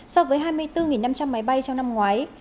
so với hai mươi bốn năm trăm linh máy bay trong năm ngoái